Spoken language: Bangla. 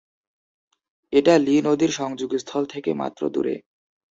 এটা লি নদীর সংযোগস্থল থেকে মাত্র দূরে।